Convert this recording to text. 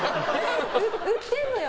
売ってるのよ